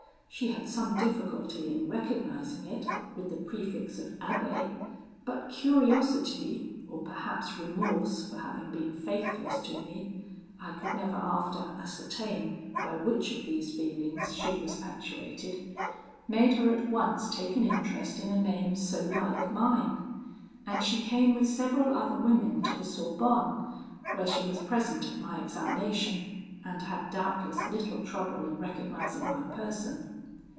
She had some difficulty in recognising it with the prefix of Abbé; but curiosity, or perhaps remorse for having been faithless to me (I could never after ascertain by which of these feelings she was actuated), made her at once take an interest in a name so like mine; and she came with several other women to the Sorbonne, where she was present at my examination, and had doubtless little trouble in recognising my person.